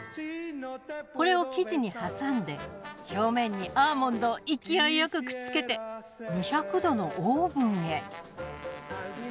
これを生地に挟んで表面にアーモンドを勢いよくくっつけて２００℃のオーブンへ。